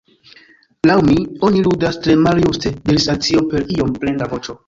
"Laŭ mi, oni ludas tre maljuste," diris Alicio per iom plenda voĉo.